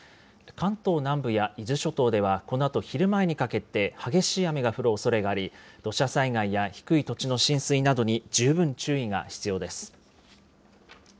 関東南部や伊豆諸島では、このあと昼前にかけて激しい雨が降るおそれがあり、土砂災害や低い土地の浸水などに十分注意が必要です。